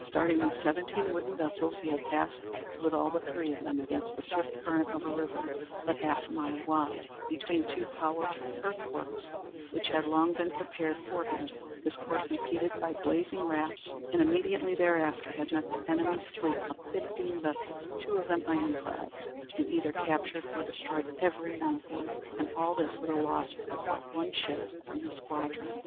Starting with seventeen wooden vessels, he had passed with all but three of them, against the swift current of a river but half a mile wide, between two powerful earthworks which had long been prepared for him, his course impeded by blazing rafts, and immediately thereafter had met the enemy's fleet of fifteen vessels, two of them ironclads, and either captured or destroyed every one of them. And all this with a loss of but one ship from his squadron."